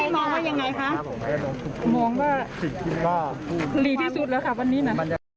มองว่าหลีกที่สุดแล้วค่ะวันนี้นะ